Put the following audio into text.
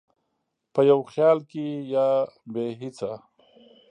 په یو خیال کې یا بې هېڅه،